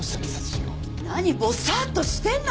何ぼさっとしてんのよ！